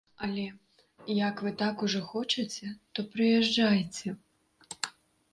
Але, як вы так ужо хочаце, то прыязджайце.